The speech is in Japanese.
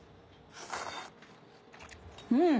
うん！